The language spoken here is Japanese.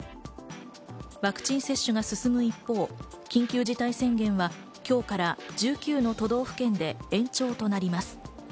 ワクチン接種が進む一方、緊急事態宣言は今日から１９の都道府県で延長となります。